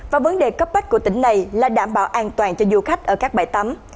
và vấn đề cấp bách của tỉnh này là đảm bảo an toàn cho du khách ở các bãi tắm